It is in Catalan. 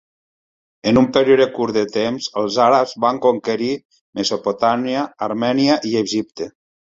En un període curt de temps, el àrabs van conquerir Mesopotàmia, Armènia i Egipte.